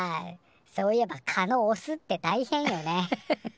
そういえば「カ」のオスってたいへんよね。